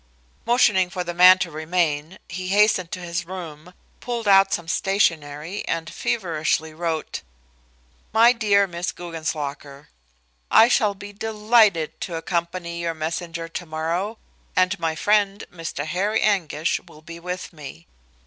Motioning for the man to remain, he hastened to his room, pulled out some stationery, and feverishly wrote: "My Dear Miss Guggenslocker: "I shall be delighted to accompany your messenger to morrow, and my friend, Mr. Harry Anguish, will be with me.